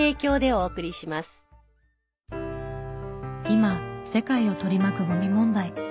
今世界を取り巻くゴミ問題。